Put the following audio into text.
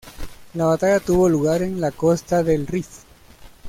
La batalla tuvo lugar en la costa del Rif.